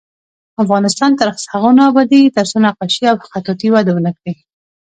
افغانستان تر هغو نه ابادیږي، ترڅو نقاشي او خطاطي وده ونه کړي.